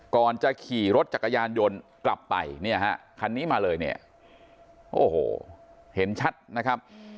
ก่อนจะขี่รถจักรยานยนต์กลับไปเนี่ยฮะคันนี้มาเลยเนี่ยโอ้โหเห็นชัดนะครับ